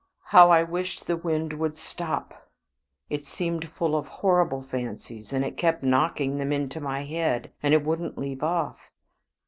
How I wished the wind would stop. It seemed full of horrible fancies, and it kept knocking them into my head, and it wouldn't leave off.